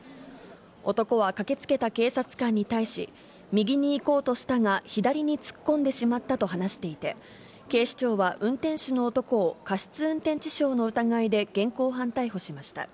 男は駆けつけた警察官に対し、右に行こうとしたが、左に突っ込んでしまったと話していて、警視庁は運転手の男を、過失運転致傷の疑いで現行犯逮捕しました。